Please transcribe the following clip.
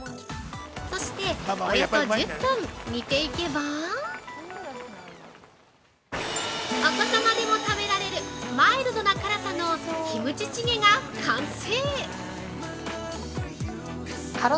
そして、およそ１０分煮ていけばお子様でも食べられるマイルドな辛さのキムチチゲが完成！